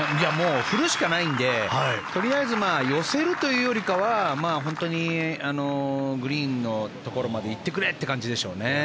振るしかないのでとりあえず寄せるというよりかは本当にグリーンのところまで行ってくれって感じでしょうね。